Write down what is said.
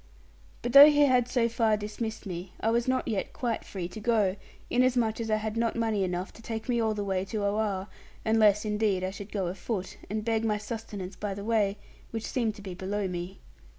But though he had so far dismissed me, I was not yet quite free to go, inasmuch as I had not money enough to take me all the way to Oare, unless indeed I should go afoot, and beg my sustenance by the way, which seemed to be below me.